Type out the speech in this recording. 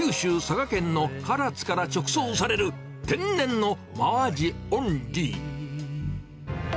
提供するのは、九州・佐賀県の唐津から直送される天然のマアジオンリー。